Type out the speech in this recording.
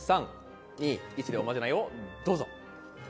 ３、２、１でおまじないをどうぞ。